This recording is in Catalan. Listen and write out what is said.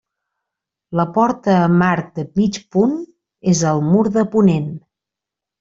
La porta amb arc de mig punt és al mur de ponent.